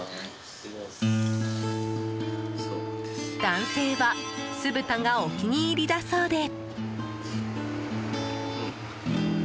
男性は酢豚がお気に入りだそうで。